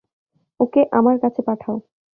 ওকে আমার কাছে পাঠাও।